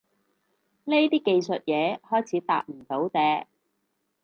呢啲技術嘢開始搭唔到嗲